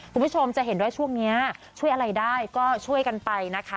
คุณผู้ชมจะเห็นว่าช่วงนี้ช่วยอะไรได้ก็ช่วยกันไปนะคะ